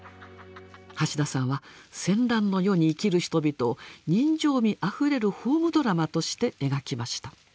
橋田さんは戦乱の世に生きる人々を人情味あふれるホームドラマとして描きました。